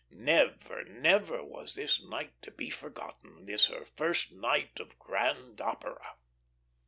Never, never was this night to be forgotten, this her first night of Grand Opera.